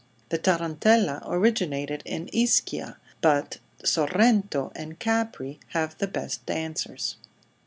The Tarantella originated in Ischia, but Sorrento and Capri have the best dancers.